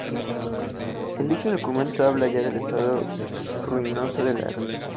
En dicho documento habla ya del estado ruinoso de la ermita.